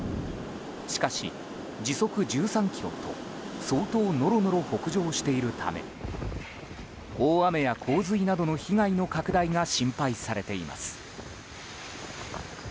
しかし、時速１３キロと相当ノロノロ北上しているため大雨や洪水などの被害の拡大が心配されています。